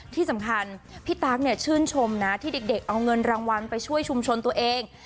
ที่สำคัญพี่ตั๊กเนี่ยชื่นชมนะที่เด็กเอาเงินรางวัลไปช่วยชุมชนตัวเอง